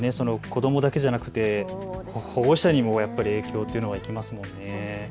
子どもだけじゃなくて保護者にもやっぱり影響はいきますもんね。